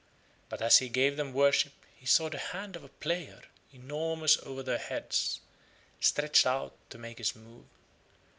But as he gave Them worship, he saw the hand of a player, enormous over Their heads, stretched out to make his move.